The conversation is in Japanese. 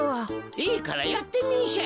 いいからやってみんしゃい。